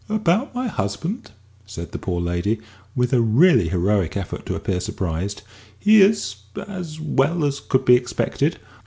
"About my husband?" said the poor lady, with a really heroic effort to appear surprised. "He is as well as could be expected.